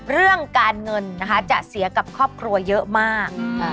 เรื่องการเงินนะคะจะเสียกับครอบครัวเยอะมาก